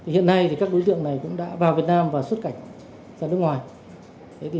hiện nay các đối tượng này cũng đã vào việt nam và xuất cảnh ra nước ngoài